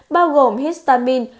bao gồm histamine